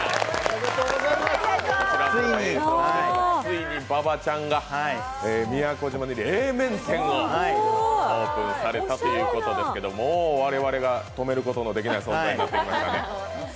ついに馬場ちゃんが宮古島に冷麺店をオープンされたということですけれども、もう我々が止めることのできない存在になってきましたね。